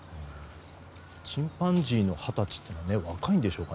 チンパンジーの二十歳って若いんでしょうか。